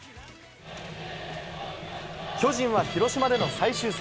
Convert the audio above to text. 巨人は広島での最終戦。